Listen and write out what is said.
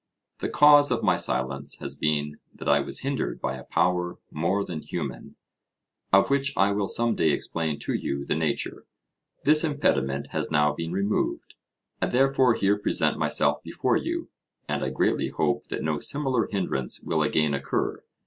The cause of my silence has been that I was hindered by a power more than human, of which I will some day explain to you the nature; this impediment has now been removed; I therefore here present myself before you, and I greatly hope that no similar hindrance will again occur.